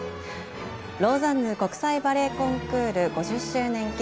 「ローザンヌ国際バレエコンクール５０周年記念